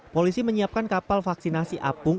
polisi menyiapkan kapal vaksinasi apung